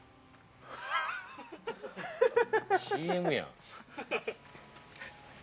ＣＭやん。